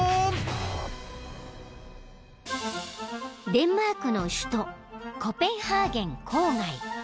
［デンマークの首都コペンハーゲン郊外］